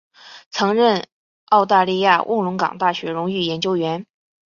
曾任澳大利亚卧龙岗大学荣誉研究员。